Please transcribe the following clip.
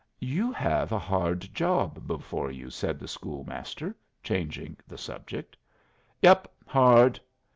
"You have a hard job before you," said the school master, changing the subject. "Yep. Hard."